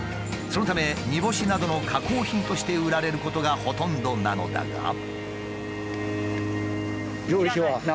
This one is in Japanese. そのため煮干しなどの加工品として売られることがほとんどなのだが。